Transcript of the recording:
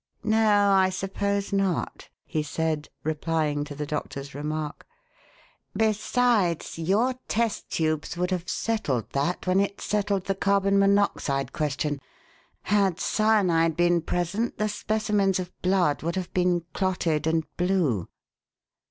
"No, I suppose not," he said, replying to the doctor's remark. "Besides, your test tubes would have settled that when it settled the carbon monoxide question. Had cyanide been present, the specimens of blood would have been clotted and blue."